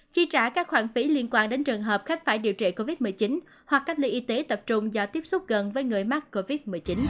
khi trả các khoản phí liên quan đến trường hợp khách phải điều trị covid một mươi chín hoặc cách ly y tế tập trung do tiếp xúc gần với người mắc covid một mươi chín